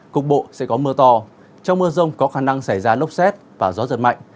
cục bộ sẽ có mưa to trong mưa rông có khả năng xảy ra lốc xét và gió giật mạnh